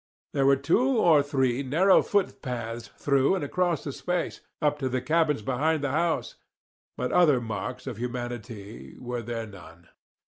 There were two or three narrow footpaths through and across the space, up to the cabins behind the house, but other marks of humanity were there none.